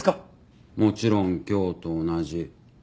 もちろん今日と同じ。